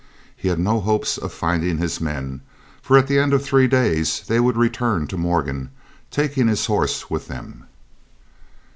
He had no hopes of finding his men, for at the end of three days they would return to Morgan, taking his horse with them.